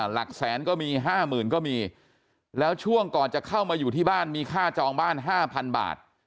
หลักแสนก็มีห้าหมื่นก็มีแล้วช่วงก่อนจะเข้ามาอยู่ที่บ้านมีค่าจองบ้าน๕๐๐บาท